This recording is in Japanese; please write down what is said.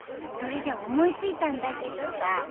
それで思い付いたんだけどさ